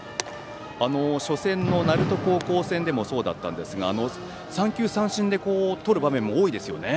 初戦の鳴門高校戦でもそうだったんですが三球三振をとる場面も多いですね。